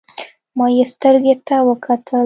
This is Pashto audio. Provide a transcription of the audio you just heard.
ما يې سترګو ته وکتل.